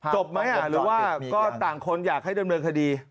จบไหมหรือว่าก็ต่างคนอยากให้ดำเนินคดี